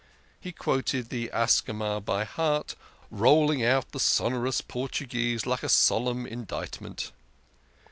He quoted the Ascama by heart, rolling out the sonorous Portuguese like a solemn indictment.